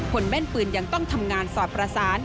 แม่นปืนยังต้องทำงานสอดประสาน